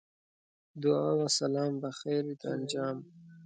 دعا و سلام بخیریت انجام.